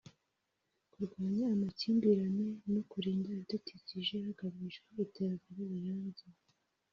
kurwanya amakimbirane no kurinda ibidukikije hagamijwe iterambere rirambye